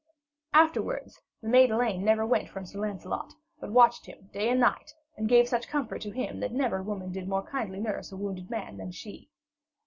Afterwards the maid Elaine never went from Sir Lancelot, but watched him day and night, and gave such comfort to him that never woman did more kindly nurse a wounded man than she.